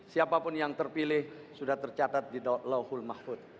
siapapun yang terpilih sudah tercatat di lauhul mahfud